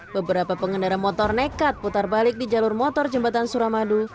beberapa pengendara motor nekat putar balik di jalur motor jembatan suramadu